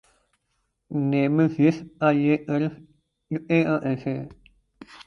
نعمت زیست کا یہ قرض چکے گا کیسے